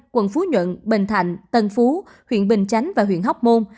quận phú nhuận bình thạnh tân phú huyện bình chánh và huyện hóc môn